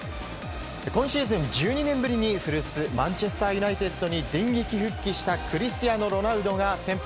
今シーズン１２年ぶりに古巣マンチェスター・ユナイテッドに電撃復帰したクリスティアーノ・ロナウドが先発。